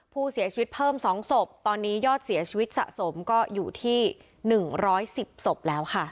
ผู้เสียชีวิตเพิ่ม๒ศพตอนนี้ยอดเสียชีวิตสะสมก็อยู่ที่๑๑๐ศพแล้วค่ะ